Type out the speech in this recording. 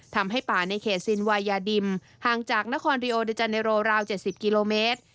ทำให้ป่าในเขตซินวายาดิมห่างจากนครริโอเดอร์จันเนโรราว๗๐กิโลเมตร